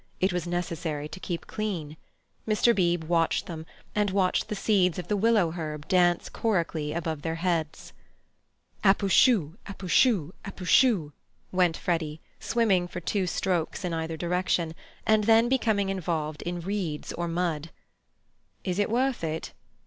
It was necessary to keep clean. Mr. Beebe watched them, and watched the seeds of the willow herb dance chorically above their heads. "Apooshoo, apooshoo, apooshoo," went Freddy, swimming for two strokes in either direction, and then becoming involved in reeds or mud. "Is it worth it?"